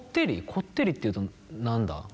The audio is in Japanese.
こってりっていうと何だ？